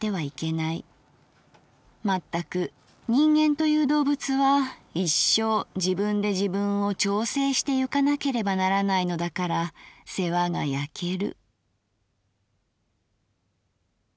まったく人間という動物は一生自分で自分を調整してゆかなければならないのだから世話がやける」。